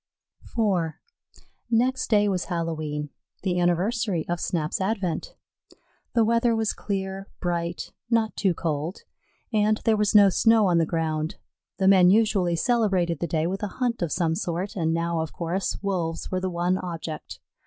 IV Next day was Hallowe'en, the anniversary of Snap's advent. The weather was clear, bright, not too cold, and there was no snow on the ground. The men usually celebrated the day with a hunt of some sort, and now, of course, Wolves were the one object.